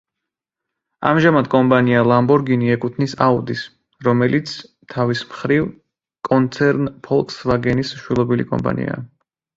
ამჟამად კომპანია „ლამბორგინი“ ეკუთვნის „აუდის“, რომელიც, თავის მხრივ, კონცერნ „ფოლკსვაგენის“ შვილობილი კომპანიაა.